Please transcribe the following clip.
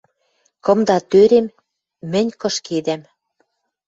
Кымда тӧрем, мӹнь кышкедӓм